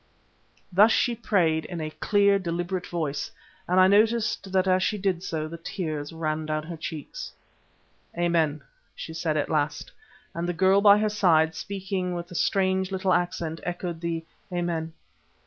Thus she prayed in a clear, deliberate voice, and I noticed that as she did so the tears ran down her cheeks. "Amen," she said at last, and the girl by her side, speaking with a strange little accent, echoed the "Amen."